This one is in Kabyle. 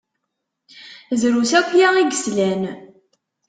Drus akya i yeslan.